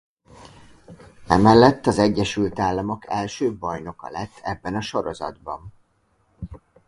Emellett az Egyesült Államok első bajnoka lett ebben a sorozatban.